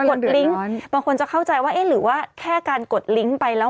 กดลิงค์บางคนจะเข้าใจว่าหรือว่าแค่กดลิงค์ไปแล้ว